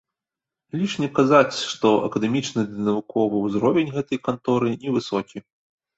Лішне казаць, што акадэмічны ды навуковы ўзровень гэтай канторы невысокі.